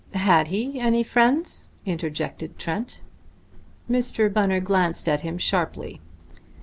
"Had he any friends?" interjected Trent. Mr. Bunner glanced at him sharply.